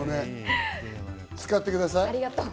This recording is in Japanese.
使ってください。